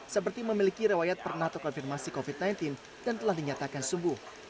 seperti memiliki rewayat pernah atau konfirmasi covid sembilan belas dan telah dinyatakan sembuh